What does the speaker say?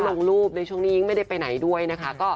ลงรูปในช่วงนี้ยิ่งไม่ได้ไปไหนด้วยนะคะ